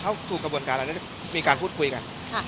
เข้าสู่กระบวนการอันนี้มีการพูดคุยกันค่ะ